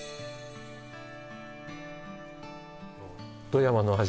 富山の味